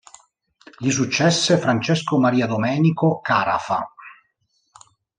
Gli successe Francesco Maria Domenico Carafa.